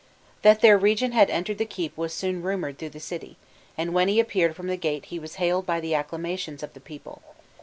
That their regent had entered the keep was soon rumored through the city; and when he appeared from the gate he was hailed by the acclamations of the people.